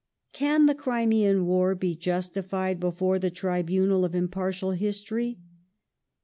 Can the Crimean War be 'justified before the tribunal of im was the partial history